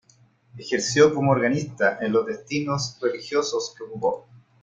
Ejerció como organista en los destinos religiosos que ocupó.